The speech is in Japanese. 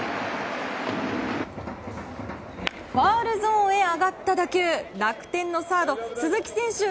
ファウルゾーンへ上がった打球楽天のサード、鈴木選手